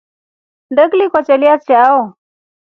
Nnde kliko chelya chao.